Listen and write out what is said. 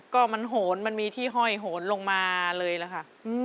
ก็มันโหนมันมีที่ห้อยโหนลงมาเลยล่ะค่ะ